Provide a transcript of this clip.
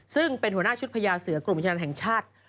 ซึ่งเป็นหัวหน้าชุดพญาเสือกรมอุทยานแห่งชาติ